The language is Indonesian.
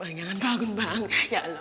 matanya aja di tengkar suaranya aja